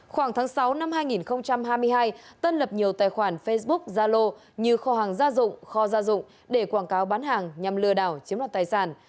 khoảng tháng sáu năm hai nghìn hai mươi hai tân lập nhiều tài khoản facebook zalo như kho hàng gia dụng kho gia dụng để quảng cáo bán hàng nhằm lừa đảo chiếm đoạt tài sản